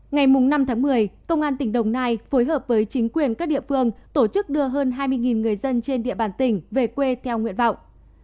ngày năm tháng một mươi công an tỉnh đồng nai phối hợp với chính quyền các địa phương tổ chức đưa hơn hai mươi người dân trên địa bàn tỉnh về quê theo nguyện vọng